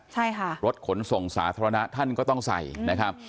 ใช่ค่ะรถขนส่งสาธารณะท่านก็ต้องใส่นะครับ